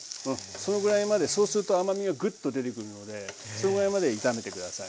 そのぐらいまでそうすると甘みがグッと出てくるのでそのぐらいまで炒めて下さい。